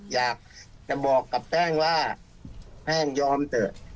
อยากจะบอกกับแป้งว่าแป้งยอมเถอะ